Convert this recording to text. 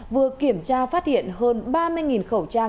vừa kiểm tra phát hiện hơn ba mươi khẩu trang